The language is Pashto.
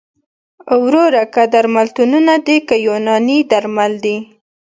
وروره که درملتونونه دي که یوناني درمل دي